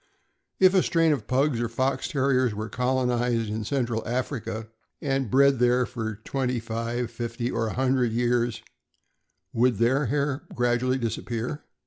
If a strain of Pugs or Fox Terriers were colonized in Central Africa and bred there for twenty five, fifty, or a hundred years, would their hair gradually disappear?